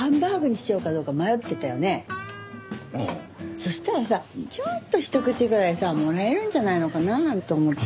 そしたらさちょっとひと口ぐらいさもらえるんじゃないのかななんて思ってて。